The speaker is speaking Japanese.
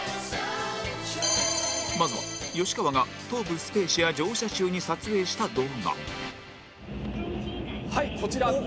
まずは吉川が東武スペーシア乗車中に撮影した動画「はいこちら」